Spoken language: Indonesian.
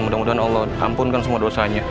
mudah mudahan allah ampunkan semua dosanya